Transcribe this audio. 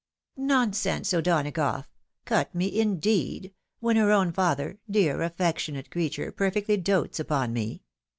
"Nonsense, O'Donagough! Cut me, indeed ! when her own father, dear affectionate creature, perfectly dotes upon me